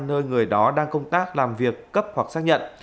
nơi người đó đang công tác làm việc cấp hoặc xác nhận